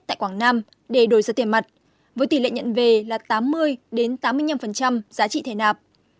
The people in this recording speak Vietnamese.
tại quảng nam để đổi ra tiền mặt với tỷ lệ nhận về là tám mươi tám mươi năm giá trị thẻ nạp